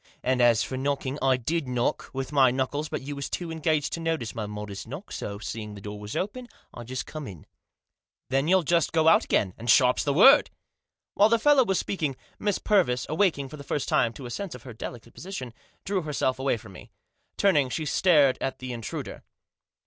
And as for knocking, I did knock, with my knuckles ; but you was too much engaged to notice my modest knock ; so, seeing the door was open, I just come in." " Then you'll just go out again ; and sharp's the word." While the fellow was speaking, Miss Purvis, awaking, for the first time, to a sense of her delicate position, drew herself away from me. Turning, she stared at the intruder.